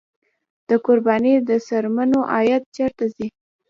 د قربانۍ د څرمنو عاید چیرته ځي؟